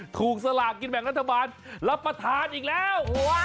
สลากกินแบ่งรัฐบาลรับประทานอีกแล้ว